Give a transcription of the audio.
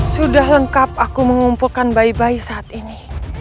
sudah lengkap aku mengumpulkan bayi bayi saat ini